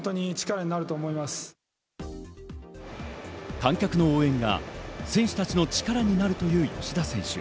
観客の応援が選手たちの力になるという吉田選手。